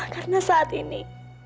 karena saat ini